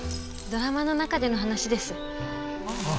ドラマの中での話です。ああ。